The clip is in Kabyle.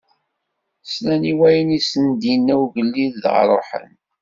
Slan i wayen i sen-d-inna ugellid dɣa ṛuḥen.